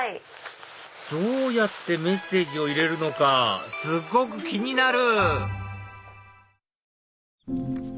どうやってメッセージを入れるのかすっごく気になる！